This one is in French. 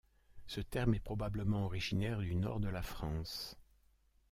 Ce terme est probablement originaire du nord de la France.